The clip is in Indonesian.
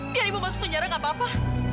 biar ibu masuk penjara gak apa apa